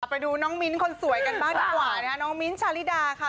ไปดูน้องมิ้นคนสวยกันบ้างดีกว่านะคะน้องมิ้นท์ชาลิดาค่ะ